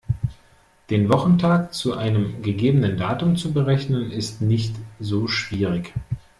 Den Wochentag zu einem gegebenen Datum zu berechnen, ist nicht so schwierig.